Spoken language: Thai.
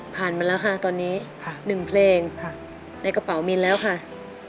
ผ่านมาแล้วค่ะตอนนี้๑เพลงในกระเป๋ามีนแล้วค่ะ๑๐๐๐๐บาท